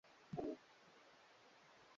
Baze beko na ma arishi ya mingi